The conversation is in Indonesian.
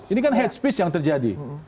ini kan hate speech yang terjadi